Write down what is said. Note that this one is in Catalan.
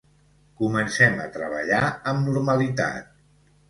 Comencem a treballar amb normalitat.